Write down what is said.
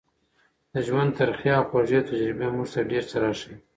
د ژوند ترخې او خوږې تجربې موږ ته ډېر څه راښيي.